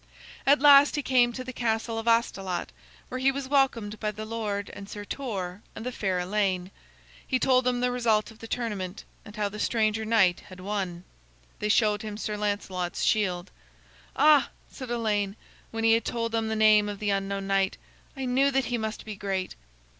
At last he came to the castle of Astolat, where he was welcomed by the lord and Sir Torre and the fair Elaine. He told them the result of the tournament, and how the stranger knight had won. They showed him Sir Lancelot's shield. "Ah!" said Elaine, when he had told them the name of the unknown knight, "I knew that he must be great."